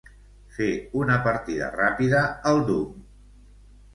Fer una partida ràpida al "Doom".